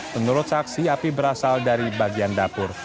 menurut saksi api berasal dari bagian dapur